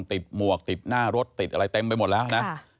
หมวกติดหน้ารถติดอะไรเต็มไปหมดแล้วนะ